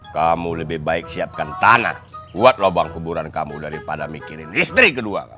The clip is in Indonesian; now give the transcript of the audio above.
kamu lebih baik siapkan tanah buat lobang kuburan kamu daripada mikirin istri kedua